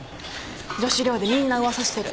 女子寮でみんな噂してる。